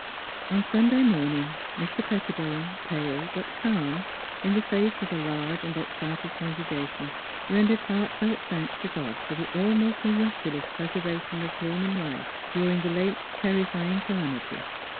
... On Sunday morning Mr. Pettibone, pale but calm, in the face of a large and excited congrega tion, rendered heartfelt thanks to God for the almost miraculous preservation of human life dur ing the late terrifying calamity.